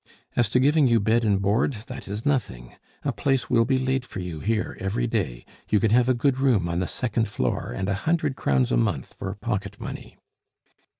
As to giving you bed and board that is nothing. A place will be laid for you here every day; you can have a good room on the second floor, and a hundred crowns a month for pocket money."